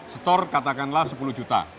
store katakanlah sepuluh juta